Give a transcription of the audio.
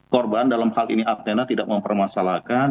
korban dalam hal ini aptena tidak mempermasalahkan